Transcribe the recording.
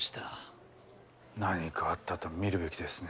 何かあったと見るべきですね。